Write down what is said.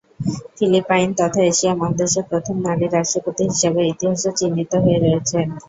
Philippine তথা Asia মহাদেশের "প্রথম নারী রাষ্ট্রপতি" হিসেবে ইতিহাসে চিহ্নিত হয়ে রয়েছেন।